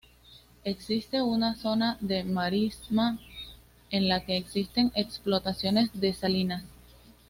Existe una zona de marisma en la que existen explotaciones de salinas.